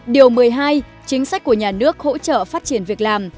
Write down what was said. điều một mươi hai chính sách của nhà nước hỗ trợ phát triển việc làm